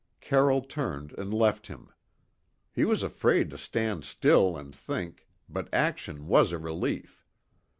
Carroll turned and left him. He was afraid to stand still and think, but action was a relief.